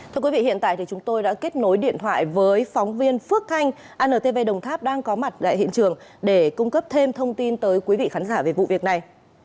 thưa quý vị hiện tại thì chúng tôi đã kết nối điện thoại với phóng viên phước thanh antv đồng tháp đang có mặt tại hiện trường để cung cấp thêm thông tin tới quý vị khán giả về vụ việc này